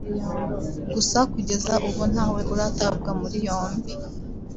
gusa kugeza ubu ntawe uratabwa muri yombi